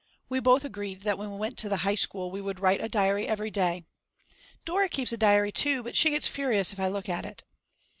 We both agreed that when we went to the high school we would write a diary every day. Dora keeps a diary too, but she gets furious if I look at it.